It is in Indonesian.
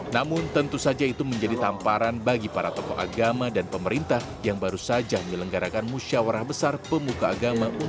namun tentu saja itu menjadi tamparan bagi para tokoh agama dan pemerintah yang baru saja melenggarakan musyawarah besar pemuka agama untuk gerukunan bangsa beberapa hari terakhir